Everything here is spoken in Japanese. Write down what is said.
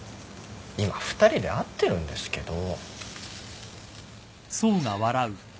今２人で会ってるんですけど。